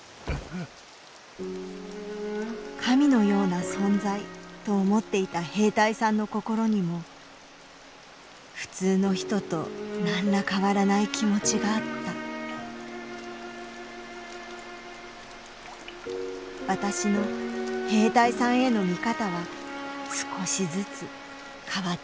「神のような存在」と思っていた兵隊さんの心にも普通の人と何ら変わらない気持ちがあった私の兵隊さんへの見方は少しずつ変わっていきました